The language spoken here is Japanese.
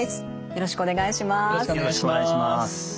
よろしくお願いします。